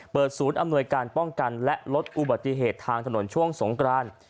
ศูนย์อำนวยการป้องกันและลดอุบัติเหตุทางถนนช่วงสงกราน